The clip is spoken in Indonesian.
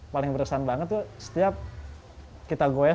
paling beresan banget itu setiap kita goya